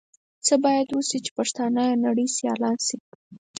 څه بايد وشي چې پښتانهٔ د نړۍ سيالان شي؟